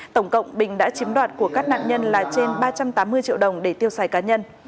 tổng cộng bình đã chiếm đoạt của các nạn nhân là trên ba trăm tám mươi triệu đồng để tiêu xài cá nhân